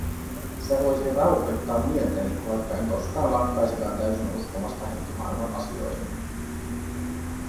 Se voisi rauhoittaa mieltäni, vaikka en koskaan lakkaisikaan täysin uskomasta henkimaailman asioihin.